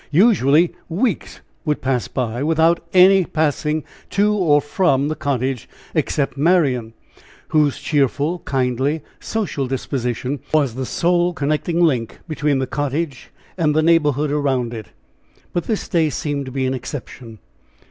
Usually weeks would pass without any one passing to or from the cottage, except Marian, whose cheerful, kindly, social disposition, was the sole connecting link between the cottage and the neighborhood around it. But this day seemed to be an exception.